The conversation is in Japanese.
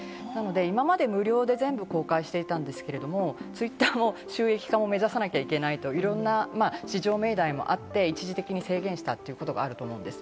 今まで無料で全部公開していたんですけれど、ツイッターの収益化を目指さなきゃいけない、いろんな至上命題もあって一時的に制限したということがあると思うんです。